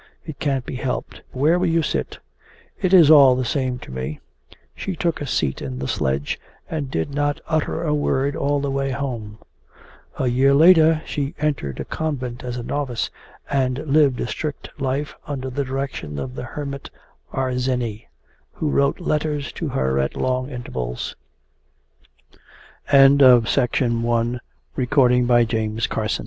It can't be helped. Where will you sit?' 'It is all the same to me.' She took a seat in the sledge, and did not utter a word all the way home. A year later she entered a convent as a novice, and lived a strict life under the direction of the hermit Arseny, who wrote letters to her at long int